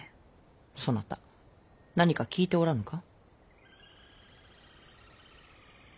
そなた何か聞いておらぬか。